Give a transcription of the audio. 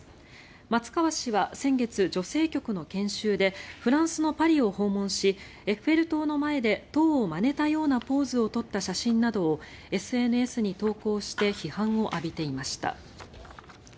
松川氏は先月、女性局の研修でフランスのパリを訪問しエッフェル塔の前で塔をまねたようなポーズを取った写真などをＳＮＳに投稿して批判を浴びていました。